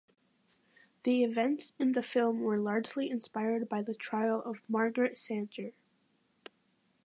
The events in the film were largely inspired by the trial of Margaret Sanger.